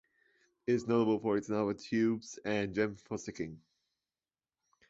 It is notable for its lava tubes and gem fossicking.